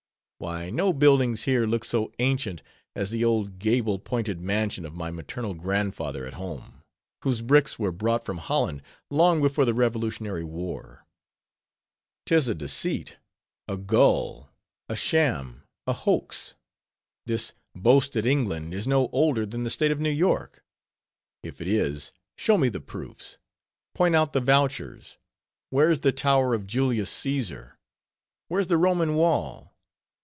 Why, no buildings here look so ancient as the old gable pointed mansion of my maternal grandfather at home, whose bricks were brought from Holland long before the revolutionary war! Tis a deceit—a gull—a sham—a hoax! This boasted England is no older than the State of New York: if it is, show me the proofs—point out the vouchers. Where's the tower of Julius Caesar? Where's the Roman wall?